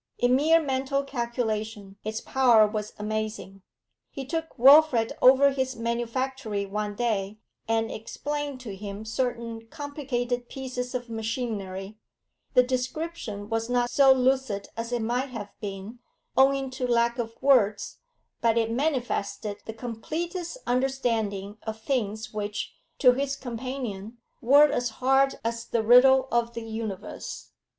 In mere mental calculation his power was amazing. He took Wilfrid over his manufactory one day, and explained to him certain complicated pieces of machinery; the description was not so lucid as it might have been, owing to lack of words, but it manifested the completest understanding of things which to his companion were as hard as the riddle of the universe.